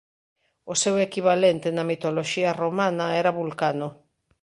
O seu equivalente na mitoloxía romana era Vulcano.